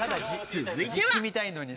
続いては。